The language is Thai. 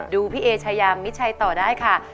พี่เอชายามิดชัยต่อได้ค่ะ